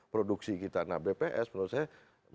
produksi kita nah bps menurut saya